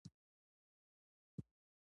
آیا نړۍ زموږ تولیدات پیژني؟